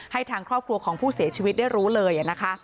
ทางครอบครัวของผู้เสียชีวิตได้รู้เลยนะคะ